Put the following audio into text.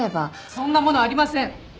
そんなものありません！